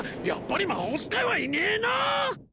やっぱり魔法使いはいねえな！